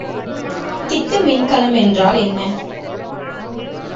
திட்டமின்கலம் என்றால் என்ன?